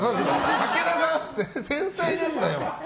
武田さんは繊細なんだよ！